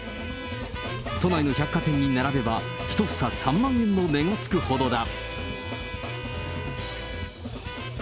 都内の百貨店に並べば、１房３万円の値がつくほどだ。